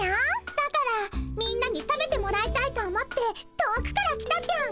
だからみんなに食べてもらいたいと思って遠くから来たぴょん。